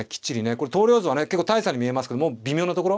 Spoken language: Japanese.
これ投了図はね結構大差に見えますけどもう微妙なところ。